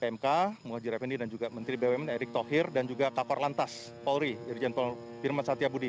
pak menteri pmk mwajir fendi dan juga menteri bumn erick thohir dan juga kapol lantas polri dirjen pol firman satya budi